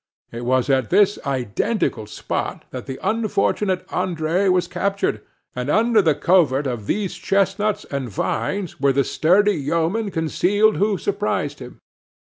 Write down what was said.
It was at this identical spot that the unfortunate André was captured, and under the covert of those chestnuts and vines were the sturdy yeomen concealed who surprised him.